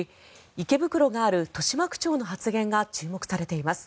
池袋がある豊島区長の発言が注目されています。